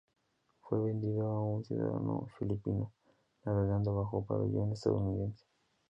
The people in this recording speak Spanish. Fue vendido a un ciudadano filipino, navegando bajo pabellón estadounidense.